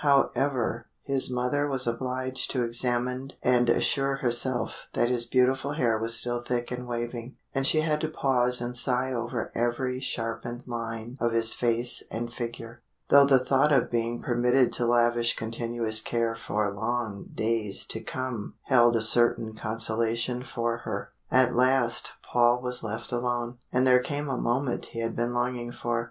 However, his mother was obliged to examine and assure herself that his beautiful hair was still thick and waving and she had to pause and sigh over every sharpened line of his face and figure though the thought of being permitted to lavish continuous care for long days to come held a certain consolation for her. At last Paul was left alone, and there came a moment he had been longing for.